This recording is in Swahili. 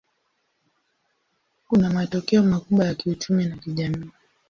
Kuna matokeo makubwa ya kiuchumi na kijamii.